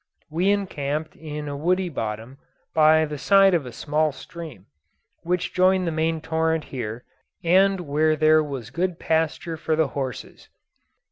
We encamped in a woody bottom, by the side of a small stream, which joined the main torrent here, and where there was good pasture for the horses.